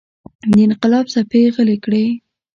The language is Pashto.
د انقلاب څپې غلې کړي.